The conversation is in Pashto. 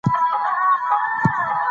چار مغز د افغانانو د تفریح یوه وسیله ده.